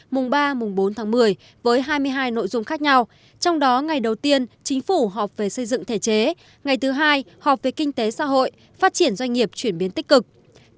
mùng ba mùng bốn tháng một mươi với hai mươi hai nội dung khác nhau trong đó ngày đầu tiên chính phủ họp về xây dựng thể chế ngày thứ hai họp về kinh tế xã hội phát triển doanh nghiệp chuyển biến tích cực